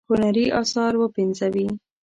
هنري آثار وپنځوي.